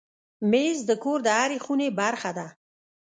مېز د کور د هرې خونې برخه ده.